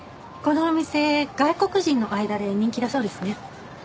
このお店外国人の間で人気だそうですね。